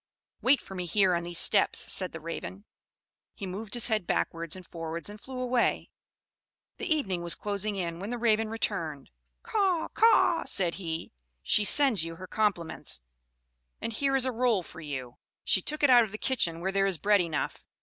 "Wait for me here on these steps," said the Raven. He moved his head backwards and forwards and flew away. The evening was closing in when the Raven returned. "Caw caw!" said he. "She sends you her compliments; and here is a roll for you. She took it out of the kitchen, where there is bread enough.